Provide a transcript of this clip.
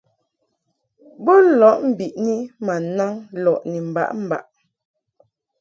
Bo lɔʼ mbiʼni ma naŋ lɔʼ ni mbaʼmbaʼ.